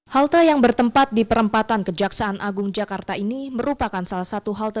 halte yang bertempat di perempatan kejaksaan agung jakarta ini merupakan salah satu halte